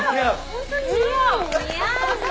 本当に似合う！